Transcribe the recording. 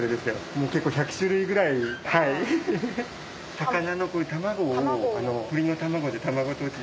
魚の卵を鶏の卵で玉子とじ。